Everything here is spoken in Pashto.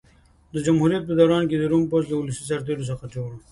د جمهوریت په دوران کې د روم پوځ له ولسي سرتېرو څخه جوړ و.